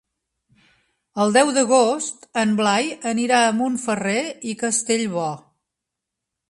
El deu d'agost en Blai anirà a Montferrer i Castellbò.